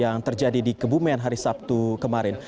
yang terjadi di kebumen hari sabtu kemarin